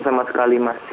sama sekali mas